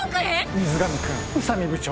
水上くん宇佐美部長